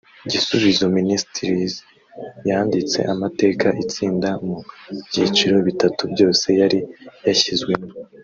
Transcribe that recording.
Gisubizo Ministries yanditse amateka itsinda mu byiciro bitatu byose yari yashyizwemo